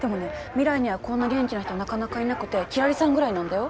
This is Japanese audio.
未来にはこんな元気な人なかなかいなくて輝星さんぐらいなんだよ